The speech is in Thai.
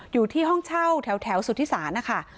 อยู่ที่ห้องเช่าแถวสุธิศาลนะคะ